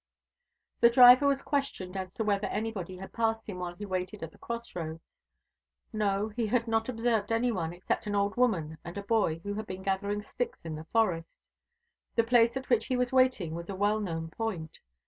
The driver was questioned as to whether anybody had passed him while he waited at the crossroads. No, he had not observed any one, except an old woman and a boy who had been gathering sticks in the forest. The place at which he was waiting was a well known point.